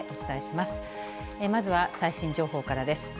まずは最新情報からです。